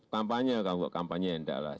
kampanye kampanye enggak lah